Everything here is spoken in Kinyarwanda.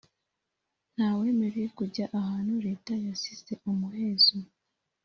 Ntawemerewe kujya ahantu leta yasize mumuhezo